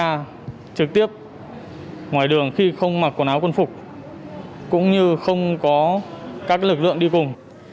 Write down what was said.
không được kiểm tra trực tiếp ngoài đường khi không mặc quần áo quân phục cũng như không có các lực lượng đi cùng